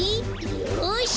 よし！